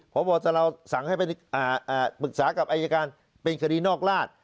พบตลาวสั่งให้ไปปรึกษากับอายการเป็นคดีนอกราช